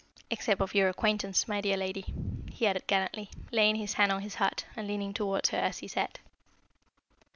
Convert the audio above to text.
Except of your acquaintance, my dear lady," he added gallantly, laying his hand on his heart, and leaning towards her as he sat.